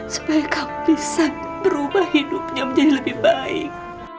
supaya kau bisa berubah hidupnya menjadi lebih baik